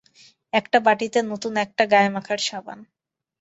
একটা বাটিতে নতুন একটা গায়ে মাখার সাবান।